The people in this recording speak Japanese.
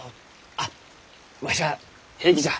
あっわしは平気じゃ。